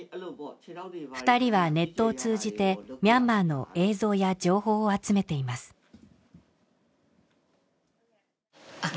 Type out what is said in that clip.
２人はネットを通じてミャンマーの映像や情報を集めていますああ